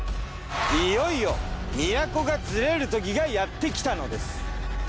いよいよ都がずれるときがやってきたのです。